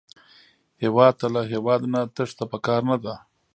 هېواد ته له هېواده نه تېښته پکار نه ده